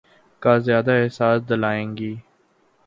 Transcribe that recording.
کا زیادہ احساس دلائیں گی۔